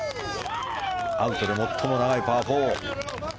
アウトで最も長いパー４。